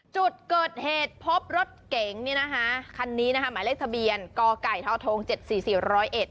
จุดเกิดเหตุพบรถเก๋งเนี่ยนะคะคันนี้นะคะหมายเลขทะเบียนกไก่ทอทงเจ็ดสี่สี่ร้อยเอ็ด